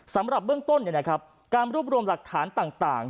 สำหรับเบื้องต้นการรวบรวมหลักฐานต่าง